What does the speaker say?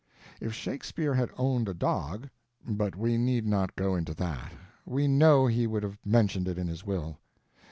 If Shakespeare had owned a dog—but we need not go into that: we know he would have mentioned it in his will.